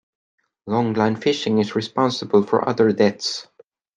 Longline fishing is responsible for other deaths.